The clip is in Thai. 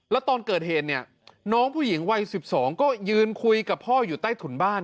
แล้วตอนเกิดเหตุเนี่ยน้องผู้หญิงวัย๑๒ก็ยืนคุยกับพ่ออยู่ใต้ถุนบ้าน